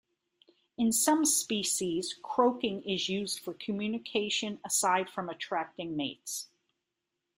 In some species, croaking is used for communication aside from attracting mates.